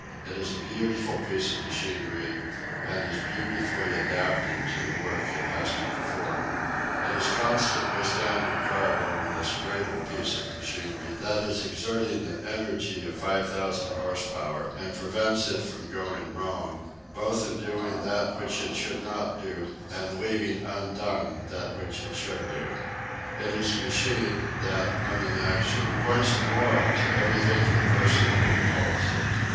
It is a beautiful piece of machinery, and is beautifully adapted to the work it has to perform. It is continually standing guard over this greater piece of machinery that is exerting an energy of 5000 horse power and prevents it from going wrong, both in doing "that which it should not do and leaving undone that which it should do." It is a machine that, when in action, points a moral to every thinking person who beholds it.